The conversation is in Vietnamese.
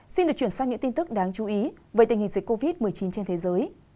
xin được chuyển sang những tin tức đáng chú ý về tình hình dịch covid một mươi chín trên thế giới